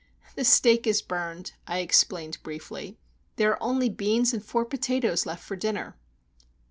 "The steak is burned," I explained, briefly. "There are only beans and four potatoes left for dinner."